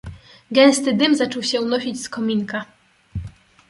"Gęsty dym zaczął się unosić z kominka."